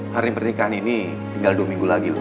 hari pernikahan ini tinggal dua minggu lagi loh